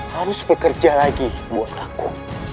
harus bekerja lagi buat aku